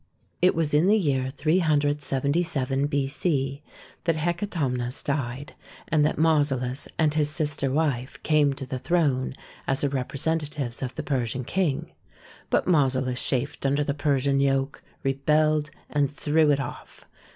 It was in the year 377 B.C. that Hecatomnus died, and that Mausolus and his sister wife came to the throne as the representatives of the Persian king. But Mausolus chafed under the Persian yoke, rebelled, and threw it off.